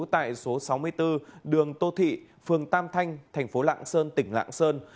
tại số sáu mươi bốn đường tô thị phường tam thanh thành phố lạng sơn tỉnh lạng sơn